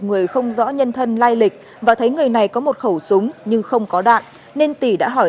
người không rõ nhân thân lai lịch và thấy người này có một khẩu súng nhưng không có đạn nên tỉ đã hỏi